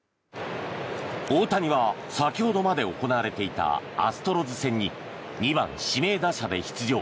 大谷は先ほどまで行われていたアストロズ戦に２番指名打者で出場。